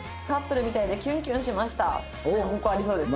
ここありそうですね。